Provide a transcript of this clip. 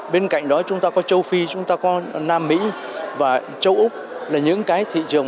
bên cạnh đó chúng ta có châu phi chúng ta có nam mỹ và châu úc là những cái thị trường